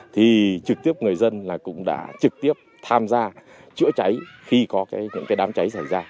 thì trực tiếp người dân là cũng đã trực tiếp tham gia chữa cháy khi có những đám cháy xảy ra